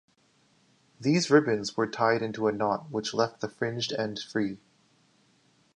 These ribbons were tied into a knot which left the fringed end free.